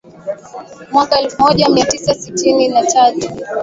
mwaka elfu moja mia tisa sitini na tatu